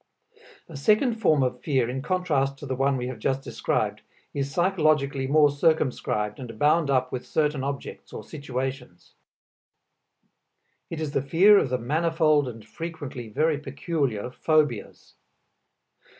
A second form of fear in contrast to the one we have just described is psychologically more circumscribed and bound up with certain objects or situations. It is the fear of the manifold and frequently very peculiar phobias.